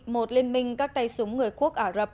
một liên minh các tay súng người quốc ả rập